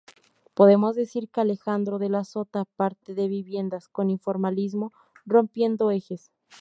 Podemos decir que Alejandro de la Sota parte de viviendas con informalismo, rompiendo ejes.